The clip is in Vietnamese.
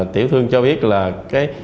tiểu thương cho biết là